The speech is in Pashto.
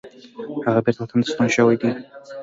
هغه بیرته وطن ته ستون شوی دی.